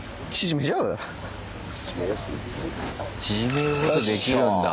縮めることできるんだ。